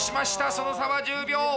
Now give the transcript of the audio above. その差は１０秒。